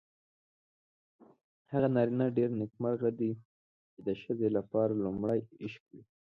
هغه نارینه ډېر نېکمرغه دی چې د ښځې لپاره لومړی عشق وي.